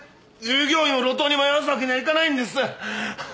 従業員を路頭に迷わすわけにはいかないんです！